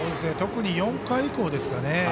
特に４回以降ですかね。